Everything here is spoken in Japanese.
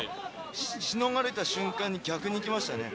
しのがれた瞬間に逆に行きましたね。